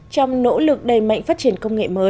trong nỗ lực đầy mạnh phát triển